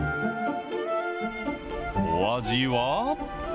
お味は？